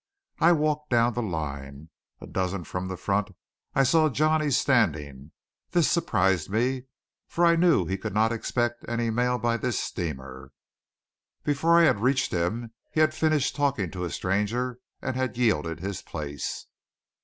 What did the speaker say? I walked down the line. A dozen from the front I saw Johnny standing. This surprised me, for I knew he could not expect mail by this steamer. Before I had reached him he had finished talking to a stranger, and had yielded his place.